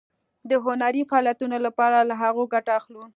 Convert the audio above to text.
د هنري فعالیتونو لپاره له هغو ګټه اخلو.